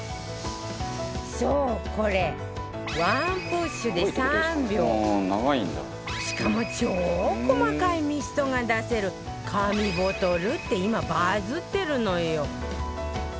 そうこれ１プッシュで３秒しかも超細かいミストが出せる神ボトルって今バズってるのよ